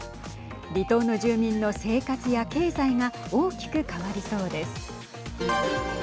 離島の住民の生活や経済が大きく変わりそうです。